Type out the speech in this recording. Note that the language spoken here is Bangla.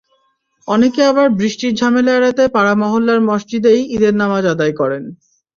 অনেকে আবার বৃষ্টির ঝামেলা এড়াতে পাড়া-মহল্লার মসজিদেই ঈদের নামাজ আদায় করেন।